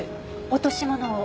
落とし物を？